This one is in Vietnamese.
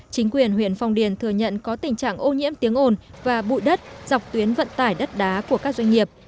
chính quyền huyện phong điền thừa nhận có tình trạng ô nhiễm tiếng ồn và bụi đất dọc tuyến vận tải đất đá của các doanh nghiệp